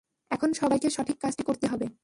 এখন সবাইকে সঠিক কাজটি করতে হবে।